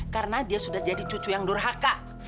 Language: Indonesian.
karena dia sudah jadi cucu yang durhaka